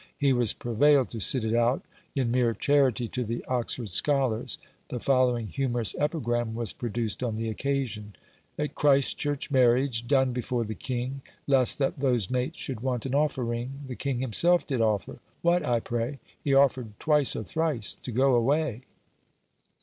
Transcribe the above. He was prevailed to sit it out, in mere charity to the Oxford scholars. The following humorous epigram was produced on the occasion: At Christ church marriage, done before the king, Lest that those mates should want an offering, The king himself did offer; What, I pray? He offered twice or thrice to go away!"